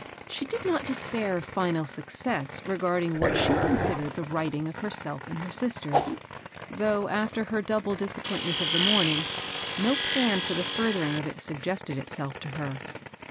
She did not despair of final success regarding what she considered the righting of herself and her sisters, though, after her double disappoint ment of the morning, no plan for the fiirthering of it suggested itself to her.